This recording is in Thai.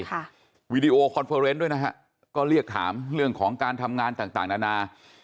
วีดีโอคอนเฟอร์เนนต์ด้วยนะฮะก็เรียกถามเรื่องของการทำงานต่างต่างนานา